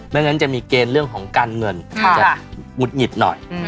งั้นจะมีเกณฑ์เรื่องของการเงินจะหงุดหงิดหน่อย